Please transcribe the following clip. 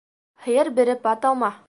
Һыйыр биреп ат алма